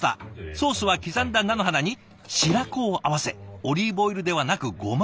ソースは刻んだ菜の花に白子を合わせオリーブオイルではなくごま油。